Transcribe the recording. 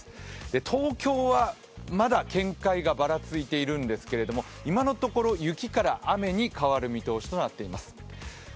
東京はまだ見解がばらついているんですけれども、今のところ雪から雨に変わる見通しとなっています。